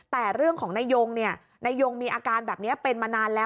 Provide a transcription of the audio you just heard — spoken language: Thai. แต่เรื่องของนายงนายยงมีอาการแบบนี้เป็นมานานแล้ว